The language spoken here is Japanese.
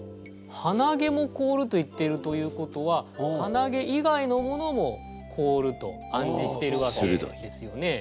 「はなげも凍る」と言っているということははなげ以外のものも凍ると暗示しているわけですよね。